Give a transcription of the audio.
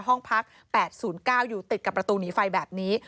ห้องพัก๘๐๙อยู่ติดกับประตูหนีไฟแบบนี้